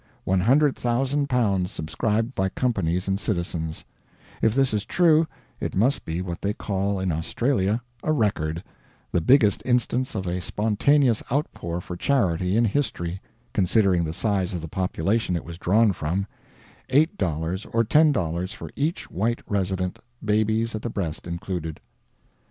L100,000 subscribed by companies and citizens; if this is true, it must be what they call in Australia "a record" the biggest instance of a spontaneous outpour for charity in history, considering the size of the population it was drawn from, $8 or $10 for each white resident, babies at the breast included.